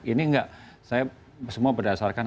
ini enggak saya semua berdasarkan